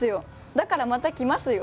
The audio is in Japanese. だからまた来ますよ。